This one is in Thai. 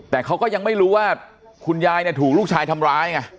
แต่เขาก็ยังไม่รู้ว่าคุณยายเนี่ยถูกลูกชายทำร้ายไง